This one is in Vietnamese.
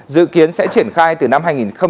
dự kiến sẽ triển khai từ năm hai nghìn một mươi chín